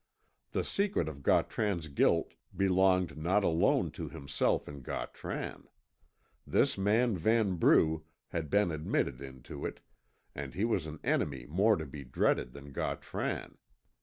The secret of Gautran's guilt belonged not alone to himself and Gautran; this man Vanbrugh had been admitted into it, and he was an enemy more to be dreaded than Gautran.